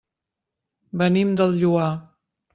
Venim del Lloar.